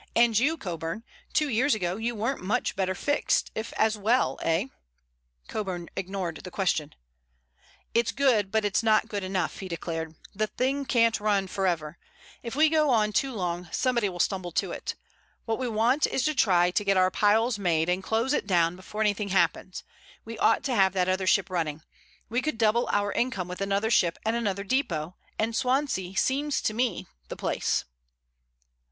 And you, Coburn; two years ago you weren't much better fixed, if as well, eh?" Coburn ignored the question. "It's good, but it's not good enough," he declared. "This thing can't run for ever. If we go on too long somebody will tumble to it. What we want is to try to get our piles made and close it down before anything happens. We ought to have that other ship running. We could double our income with another ship and another depot. And Swansea seems to me the place."